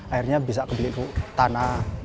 akhirnya bisa beli tanah